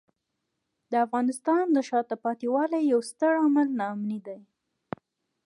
د افغانستان د شاته پاتې والي یو ستر عامل ناامني دی.